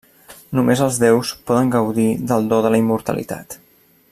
Només els déus poden gaudir del do de la immortalitat.